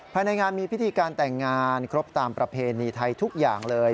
ภายในงานมีพิธีการแต่งงานครบตามประเพณีไทยทุกอย่างเลย